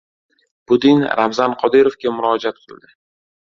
Putin Ramzan Qodirovga murojaat qildi